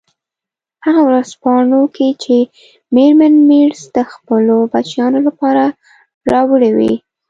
هغه ورځپاڼو کې چې میرمن مېرز د خپلو بچیانو لپاره راوړي وې.